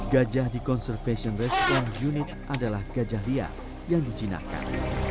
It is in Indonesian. gajah di conservation restoran unit adalah gajah liar yang dicinakan